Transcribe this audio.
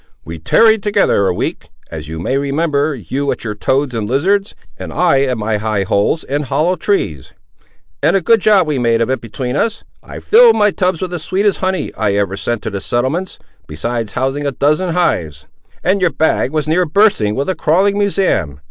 We tarried together a week, as you may remember; you at your toads and lizards, and I at my high holes and hollow trees: and a good job we made of it between us! I filled my tubs with the sweetest honey I ever sent to the settlements, besides housing a dozen hives; and your bag was near bursting with a crawling museum.